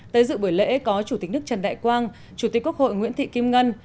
tới dự buổi lễ có chủ tịch nước trần đại quang chủ tịch quốc hội nguyễn thị kim ngân